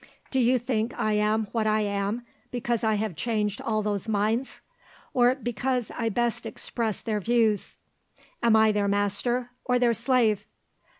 Do you think I am what I am, because I have changed all those minds, or because I best express their views? Am I their master or their slave?